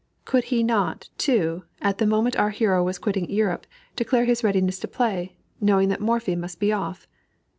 Could he not, too, at the moment our hero was quitting Europe, declare his readiness to play, knowing that Morphy must be off?